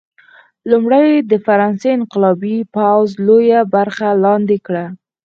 لومړی د فرانسې انقلابي پوځ لویه برخه لاندې کړه.